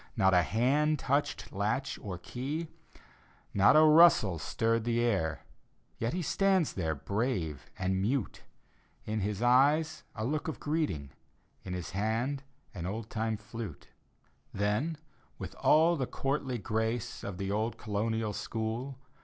Not a hand touched latch or key, Not a rustle stirred the air; Yet he stands there, brave and mute, In his eyes a look of greeting, In his hand an old time flute. D,gt,, erihyGOOgle A Midnight Visitor i: Then, with all the courtly grace Of the old Colonial school.